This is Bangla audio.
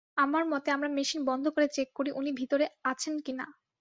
আমার মতে আমরা মেশিন বন্ধ করে চেক করি উনি ভেতরে আছেন কি না।